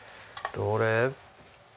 どれ？